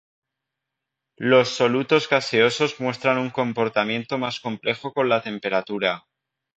Los solutos gaseosos muestran un comportamiento más complejo con la temperatura.